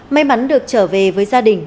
may mắn được trở về với gia đình